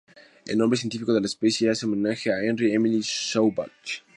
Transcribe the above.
El nombre científico de la especie hace homenaje a Henri Émile Sauvage.